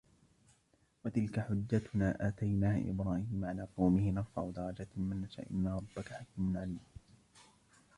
وتلك حجتنا آتيناها إبراهيم على قومه نرفع درجات من نشاء إن ربك حكيم عليم